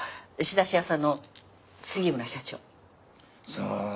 さあ。